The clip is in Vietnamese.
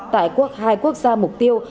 tại hai quốc gia mục tiêu